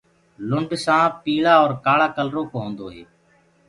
لُنڊ سآنپ پيݪآ اور ڪآۯآ ڪلرو ڪو هوندو هي۔